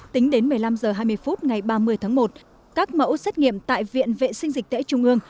tính đến một mươi năm h hai mươi phút ngày ba mươi tháng một các mẫu xét nghiệm tại viện vệ sinh dịch tễ trung ương